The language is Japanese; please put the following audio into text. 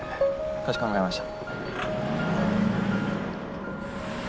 かしこまりました。